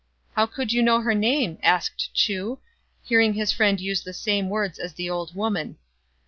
" How could you know her name?" asked Chu, hearing his friend use the same words as the old woman.